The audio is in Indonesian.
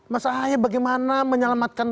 mas ahai bagaimana menyelamatkan